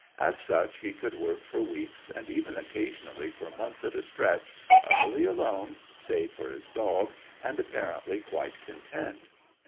As such he would work for weeks, and even, occasionally, for months at a stretch, utterly alone, save for his dog, and apparently quite content.